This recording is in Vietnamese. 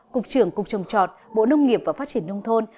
cục trưởng cục trồng trọt bộ nông nghiệp và phát triển nông thôn